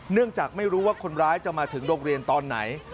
เนื่องจากไม่รู้ว่าคนร้ายจะมาถึงโรงเรียนตอนไหน